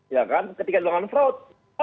ya kan ketika dia makan fruit